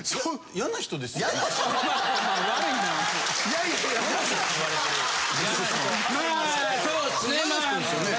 嫌な人ですよね？